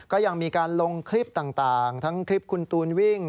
ก็ยังมีการลงคลิปต่างทั้งคลิปคุณตูนวิ่ง